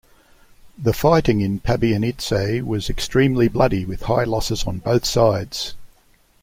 The fighting in Pabianice was extremely bloody, with high losses on both sides.